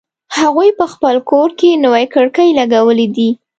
هغوی په خپل کور کی نوې کړکۍ لګولې دي